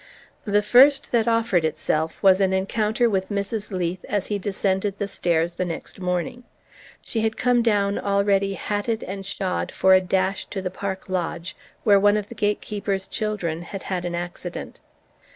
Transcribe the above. The first that offered itself was an encounter with Mrs. Leath as he descended the stairs the next morning. She had come down already hatted and shod for a dash to the park lodge, where one of the gatekeeper's children had had an accident.